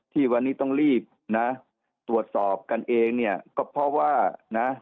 ที่วันนี้ต้องรีบนะตรวจสอบกันเองเนี่ยก็เพราะว่านะ